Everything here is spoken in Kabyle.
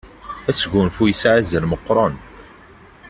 Asgunfu isεa azal meqqren.